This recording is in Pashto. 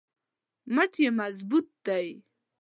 مټ یې مضبوط دی.